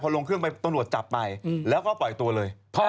ลงเครื่องไปตำรวจจับไปแล้วก็ปล่อยตัวเลย